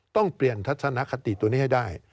ต้องเปลี่ยนทัศนคติตัวนี้ให้ได้